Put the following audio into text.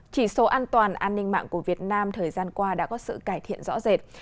chỉ số an toàn an ninh mạng của việt nam thời gian qua đã có sự cải thiện rõ rệt